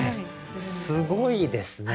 すごいですね。